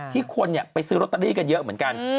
คนไปซื้อลอตเตอรี่กันเยอะเหมือนกัน